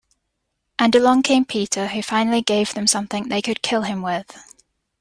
And along came Peter who finally gave them something they could kill him with.